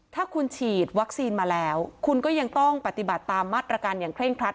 ถ้าคุณฉีดวัคซีนมาแล้วคุณก็ยังต้องปฏิบัติตามมาตรการอย่างเคร่งครัด